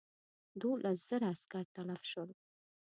دوولس زره عسکر تلف شول.